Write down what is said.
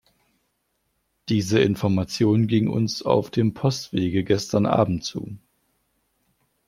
Diese Information ging uns auf dem Postwege gestern Abend zu.